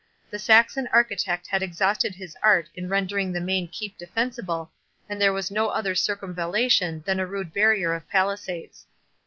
The Saxon architect had exhausted his art in rendering the main keep defensible, and there was no other circumvallation than a rude barrier of palisades.